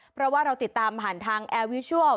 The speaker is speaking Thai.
เพราะว่าเราติดตามผ่านทางแอร์วิชัล